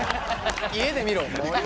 家で見ろよ。